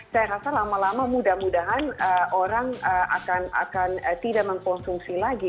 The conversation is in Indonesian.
saya rasa lama lama mudah mudahan orang akan tidak mengkonsumsi lagi